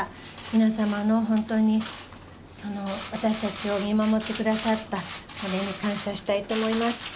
皆様の本当に、私たちを見守ってくださったことに感謝したいと思います。